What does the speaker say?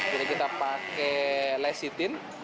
jadi kita pakai lecithin